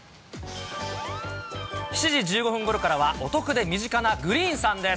７時１５分ごろからは、お得で身近なＧｒｅｅｎさんです。